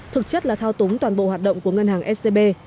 thực chất là thao túng toàn bộ hoạt động của ngân hàng scb